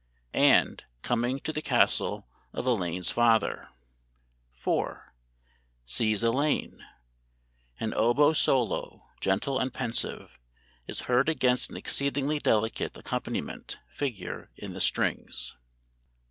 "AND, COMING TO THE CASTLE OF ELAINE'S FATHER" IV. "SEES ELAINE" [An oboe solo, gentle and pensive, is heard against an exceedingly delicate accompaniment figure in the strings.